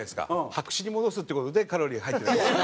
白紙に戻すって事でカロリーは入ってないんですよ。